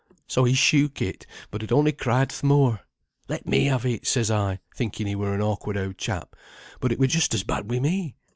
So he shook it, but it only cried th' more. 'Let me have it,' says I, thinking he were an awkward oud chap. But it were just as bad wi' me.